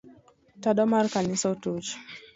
Tado mar kanisa otuch.